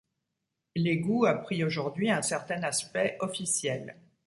L’égout a pris aujourd’hui un certain aspect officiel.